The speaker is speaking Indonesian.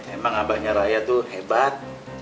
emang abahnya raya tuh hebat